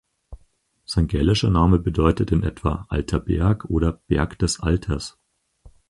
Sein gälischer Name bedeutet in etwa "Alter Berg" oder "Berg des Alters".